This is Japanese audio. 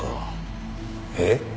えっ？